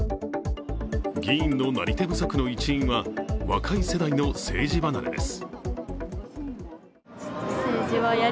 議員のなり手不足の一因は、若い世代の政治離れです。